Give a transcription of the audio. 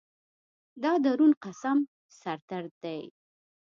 دا درون قسم سر درد وي